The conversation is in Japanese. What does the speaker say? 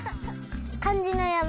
かんじのやま。